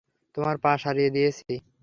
তোমার পা সারিয়ে দিয়েছি!